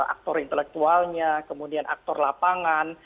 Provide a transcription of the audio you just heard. aktor intelektualnya kemudian aktor lapangan